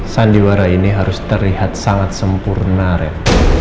sandiwara ini harus terlihat sangat sempurna rehat